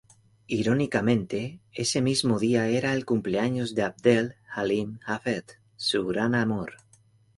Irónicamente, ese mismo día era el cumpleaños de Abdel Halim Hafez, su gran amor.